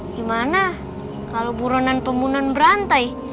gimana kalau buronan pembunuhan berantai